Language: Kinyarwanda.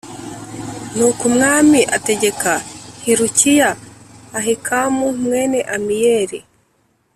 Nuko umwami ategeka Hilukiya Ahikamu mwene amiyeli